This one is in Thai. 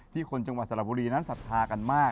ที่คนจังหวัดสละปุรีนั้นศัฐากันมาก